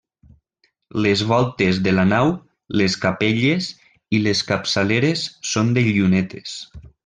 Les voltes de la nau, les capelles i les capçaleres són de llunetes.